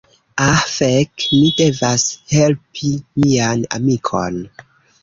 Ah fek, mi devas helpi mian amikon.